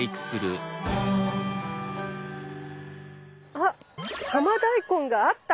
あっハマダイコンがあった。